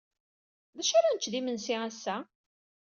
D acu ara nečč d imensi ass-a?